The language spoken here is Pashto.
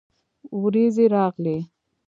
ورېځې راغلې